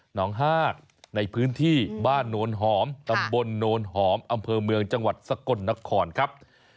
งฮากในพื้นที่บ้านโนนหอมตำบลโนนหอมอำเภอเมืองจังหวัดสกลนครครับ